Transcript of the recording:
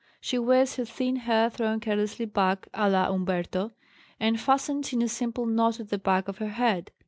She wears her thin hair thrown carelessly back alla Umberto, and fastened in a simple knot at the back of her head.